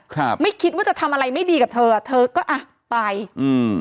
ครับไม่คิดว่าจะทำอะไรไม่ดีกับเธออ่ะเธอก็อ่ะไปอืม